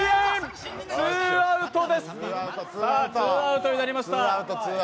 ツーアウトになりました。